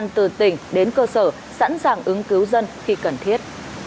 từ tỉnh đến cơ sở sẵn sàng ứng cứu dân khi cần thiết